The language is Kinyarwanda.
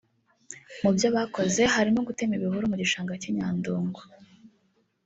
Mu byo bakoze harimo gutema ibihuru mu gishanga cy’i Nyandungu